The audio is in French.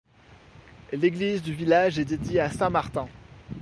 L'église du village est dédiée à Saint-Martin.